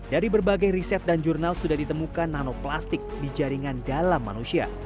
dari berbagai riset dan jurnal sudah ditemukan nanoplastik di jaringan dalam manusia